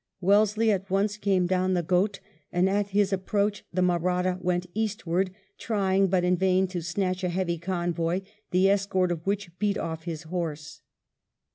Wellesley at once came down the Ghaut, and at his approach the Mahratta went eastward, trying, but in vain, to snatch a heavy convoy, the escort of which beat off bis horse.